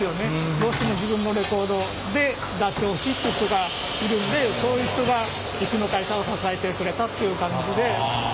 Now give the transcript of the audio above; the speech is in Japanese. どうしても自分のレコードで出してほしいっていう人がいるんでそういう人がうちの会社を支えてくれたっていう感じで。